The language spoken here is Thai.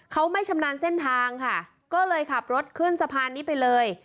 เขาไม่ชำนาญเส้นทางค่ะก็เลยขับรถขึ้นสะพานนี้ไปเลย